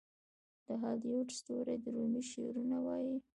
د هالیووډ ستوري د رومي شعرونه وايي.